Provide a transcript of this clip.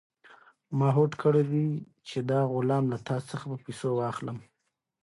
ما هوډ کړی دی چې دا غلام له تا څخه په پیسو واخلم.